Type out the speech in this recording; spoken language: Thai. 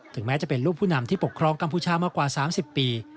แม้จะเป็นลูกผู้นำที่ปกครองกัมพูชามากว่า๓๐ปี